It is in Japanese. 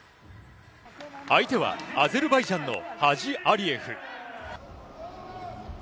相手はアゼルバイジャンのハジ・アリエフ。